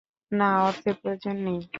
না, অর্থের প্রয়োজন নেই!